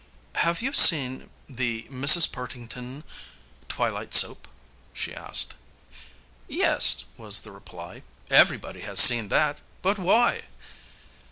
"Have you seen the 'Mrs. Partington Twilight Soap'?" she asked. "Yes," was the reply; "everybody has seen that; but why?"